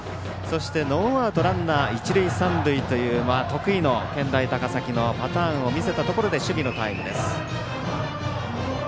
ノーアウトランナー、一塁三塁という得意の健大高崎のパターンを見せたところで守備のタイムです。